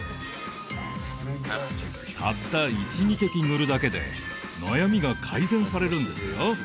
たった１２滴塗るだけで悩みが改善されるんですよ